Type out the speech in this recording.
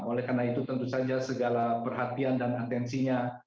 oleh karena itu tentu saja segala perhatian dan atensinya